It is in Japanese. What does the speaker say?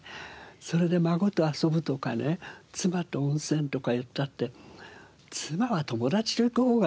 それで「孫と遊ぶ」とかね「妻と温泉」とか言ったって妻は友達と行く方がいいですよ。